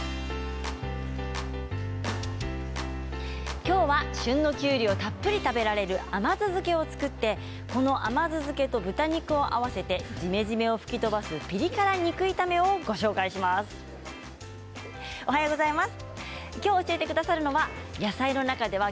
きょうは旬のきゅうりをたっぷり食べられる甘酢漬けを作ってこの甘酢漬けと豚肉を合わせてじめじめを吹き飛ばすピリ辛肉炒めをご紹介します。